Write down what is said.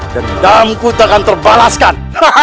dendamku tak akan terbalaskan